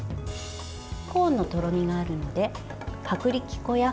コーンのとろみがあるので薄力粉や